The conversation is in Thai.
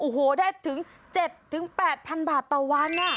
โอ้โหได้ถึง๗๘๐๐๐บาทต่อวัน